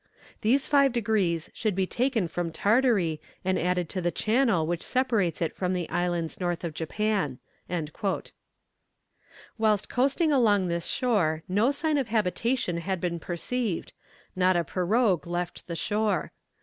These five degrees should be taken from Tartary, and added to the channel which separates it from the islands north of Japan." Whilst coasting along this shore no sign of habitation had been perceived not a pirogue left the shore.